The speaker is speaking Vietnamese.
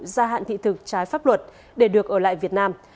gia hạn thị thực trái pháp luật để được ở lại việt nam